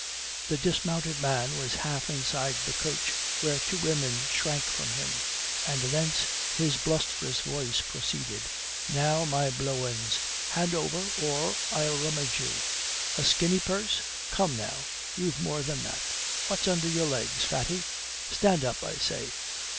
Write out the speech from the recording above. The dismounted man was half inside the coach where two women shrank from him, and thence his blusterous voice proceeded, "Now, my blowens, hand over, or I'll rummage you. A skinny purse? Come, now, you've more than that. What's under your legs, fatty? Stand up, I say.